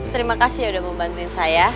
terima kasih udah membantuin saya